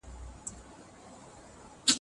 آیا ودانۍ تر خیمو پوخ بنسټ لري؟